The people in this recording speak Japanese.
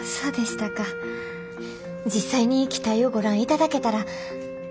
実際に機体をご覧いただけたら。